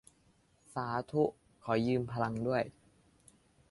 สาธุ ขอยืมพลังด้วย